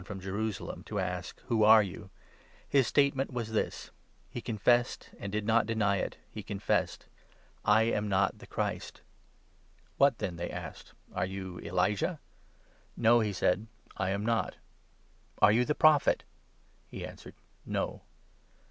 rom Jerusalem, to ask— " Who are Baptist to you ?", his statement was this : he confessed 20 desus. antj did not deny it} he confessed — "I am not the Christ." " What then ?" they asked. " Are you Elijah ?" 21 "No, "he said, " I am not." "Are you ' the Prophet '?" He answered " No."